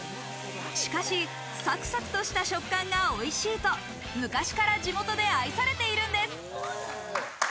しかしサクサクとした食感がおいしいと昔から地元で愛されているんです。